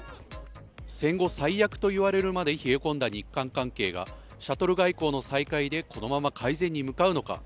戦後最悪と言われるまで冷え込んだ日韓関係がシャトル外交の再開でこのまま改善に向かうのか。